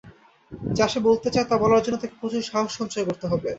যা সে বলতে চায়, তা বলার জন্য তাকে প্রচুর সাহস সঞ্চয় করতে হবে।